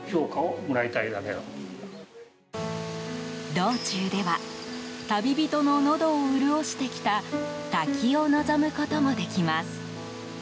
道中では、旅人ののどを潤してきた滝を望むこともできます。